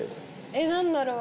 えっ何だろう？